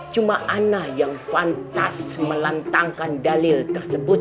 cuma anak yang pantas melantangkan dalil tersebut